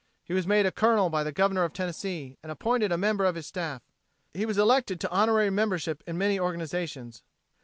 He was made a Colonel by the Governor of Tennessee, and appointed a member of his staff. He was elected to honorary membership in many organizations.